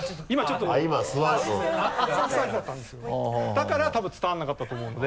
だから多分伝わらなかったと思うので。